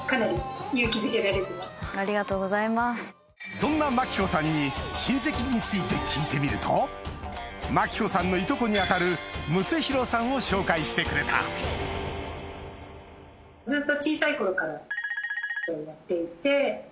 そんな牧子さんに親戚について聞いてみると牧子さんのいとこに当たる睦浩さんを紹介してくれたずっと。